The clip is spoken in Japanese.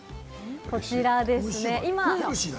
こちらです。